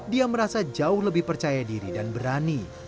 dia merasa jauh lebih percaya diri dan berani